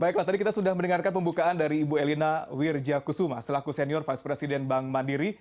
baiklah tadi kita sudah mendengarkan pembukaan dari ibu elina wirjakusuma selaku senior vice president bank mandiri